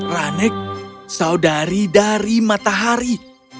rane saudari dari matahari